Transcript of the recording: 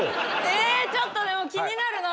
えちょっとでも気になるな。